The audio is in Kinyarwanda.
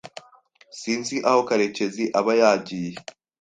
Sinzi aho karekezi aba yajyiye.